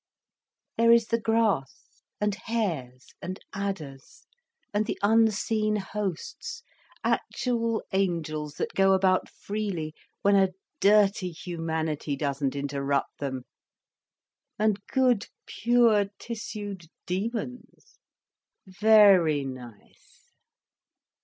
There is the grass, and hares and adders, and the unseen hosts, actual angels that go about freely when a dirty humanity doesn't interrupt them—and good pure tissued demons: very nice."